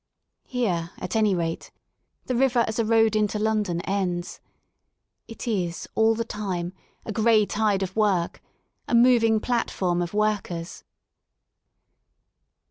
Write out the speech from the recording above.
Here at any rate the river as a road into London ends. It is all the time a gray tide of work, a moving platform of workers.